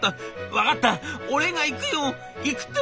分かった俺が行くよ行くってば」。